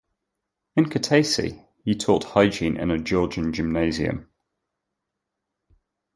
In Kutaisi he taught hygiene in a Georgian Gymnasium.